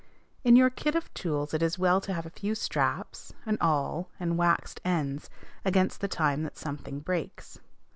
In your kit of tools it is well to have a few straps, an awl, and waxed ends, against the time that something breaks.